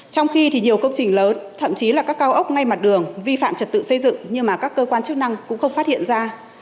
trong khi nhiều công trình lớn thậm chí là các cao ốc ngay mặt đường vi phạm trật tự xây dựng nhưng mà các cơ quan chức năng cũng không phát hiện ra